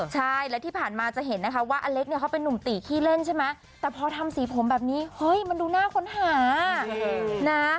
ใช่และที่ผ่านมาจะเห็นนะคะว่าอเล็กเนี่ยเขาเป็นนุ่มตีขี้เล่นใช่ไหมแต่พอทำสีผมแบบนี้เฮ้ยมันดูน่าค้นหานะ